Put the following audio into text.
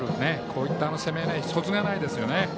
こういった攻めそつがないですよね。